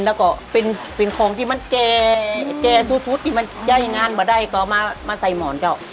แล้วก็เป็นของที่มันแจแจี๊ยซู่ทีมันใจงานมาได้ก็มาใส่หมอนเจ้า